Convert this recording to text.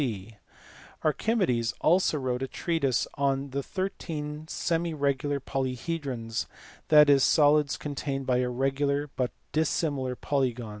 (c) Archimedes also wrote a treatise on the thirteen semi regular polyhedrons, that is, solids contained by regular but dissimilar polygons.